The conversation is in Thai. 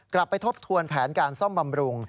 กลับไปทบทวนแผนการซ่อมบำรุง